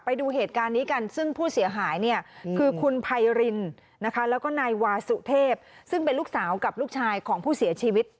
ไปดูเหตุการณ์นี้กันซึ่งผู้เสียหายเนี่ย